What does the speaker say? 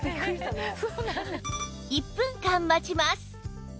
１分間待ちます